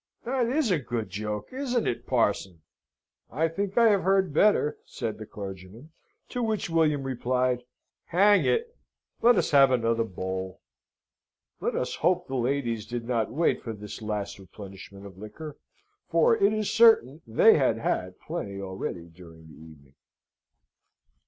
That is a good joke. Isn't it, Parson?" "I think I have heard better," said the clergyman; to which William replied, "Hang it, let us have another bowl." Let us hope the ladies did not wait for this last replenishment of liquor, for it is certain they had had plenty already during the evening.